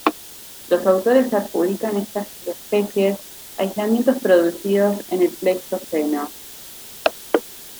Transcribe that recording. Los autores adjudican estas subespecies a aislamientos producidos en el Pleistoceno.